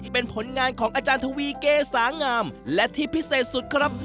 เป็นผลงานของอาจารย์ทวีเกษางามและที่พิเศษสุดครับ